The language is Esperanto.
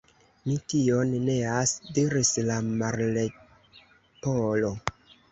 "Mi tion neas," diris la Martleporo.